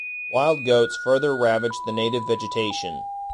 Wild goats further ravaged the native vegetation.